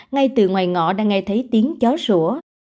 ngay từ ngoài ngõ đang nghe thấy tiếng chó sủa